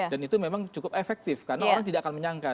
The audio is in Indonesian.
dan itu memang cukup efektif karena orang tidak akan menyangka